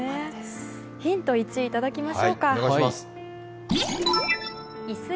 ヒント１、いただきましょうか。